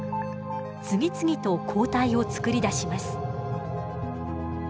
次々と抗体をつくり出します。